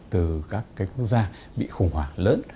từ các quốc gia bị khủng hoảng lớn